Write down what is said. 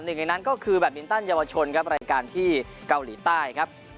หนึ่งในนั้นก็คือแบตมินตันเยาวชนครับรายการที่เกาหลีใต้ครับ